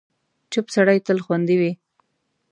چوپ سړی، تل خوندي وي.